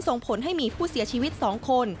ส่งผลให้มีผู้เสียชีวิต๒คน